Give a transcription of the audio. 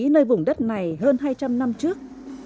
nơi vùng đất này hơn hai trăm linh năm trước